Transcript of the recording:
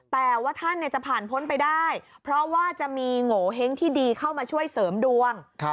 แต่ว่าท่านจะผ่านพ้นไปได้เพราะว่าจะมีโงเห้งที่ดีเข้ามาช่วยเสริมดวง